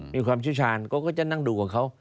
มีความเชี่ยวชาญเขาก็จะนั่งดูกับเขา